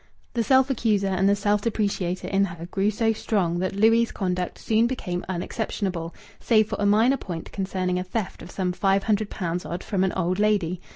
The self accuser and the self depreciator in her grew so strong that Louis' conduct soon became unexceptionable save for a minor point concerning a theft of some five hundred pounds odd from an old lady.